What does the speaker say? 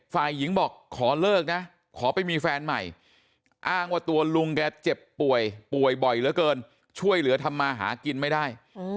ฝ่ายหญิงบอกขอเลิกนะขอไปมีแฟนใหม่อ้างว่าตัวลุงแกเจ็บป่วยป่วยบ่อยเหลือเกินช่วยเหลือทำมาหากินไม่ได้